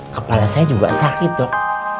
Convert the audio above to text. kepala saya juga sakit dok